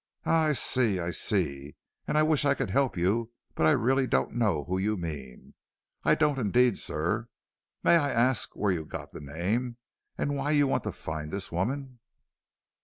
"Ah, I see, I see, and I wish I could help you, but I really don't know whom you mean, I don't indeed, sir. May I ask where you got the name, and why you want to find the woman?"